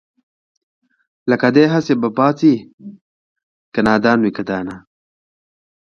لکه دئ هسې به پاڅي که نادان وي که دانا